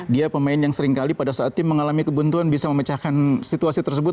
dia pemain yang seringkali pada saat tim mengalami kebuntuan bisa memecahkan situasi tersebut